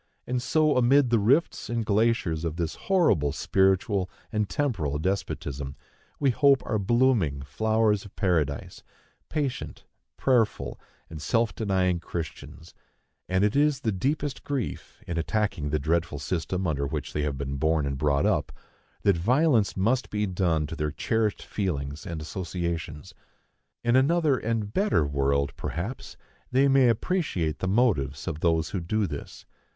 And so, amid the rifts and glaciers of this horrible spiritual and temporal despotism, we hope are blooming flowers of Paradise, patient, prayerful, and self denying Christians; and it is the deepest grief, in attacking the dreadful system under which they have been born and brought up, that violence must be done to their cherished feelings and associations. In another and better world, perhaps, they may appreciate the motives of those who do this.